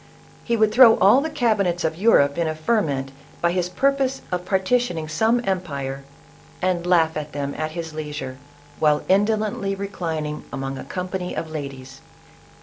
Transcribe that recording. He would throw all the cabinets of Eu rope in a ferment by his purpose of partitioning some empire, and laugh at them at his leisure, while indo lently reclining among a company of ladies.